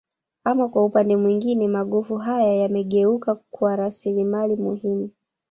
Ama kwa upande mwingine magofu haya yamegeuka kuwa rasilimali muhimu